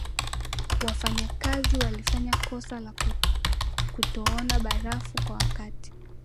wafanyikazi walifanya kosa la kutoona barafu kwa wakati